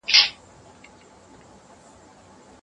که د ژوبڼ حیواناتو ته پام وسي، نو هغوی نه مریږي.